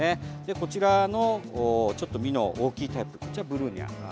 こちらの、ちょっと実の大きいタイプ、こちらがブルニア。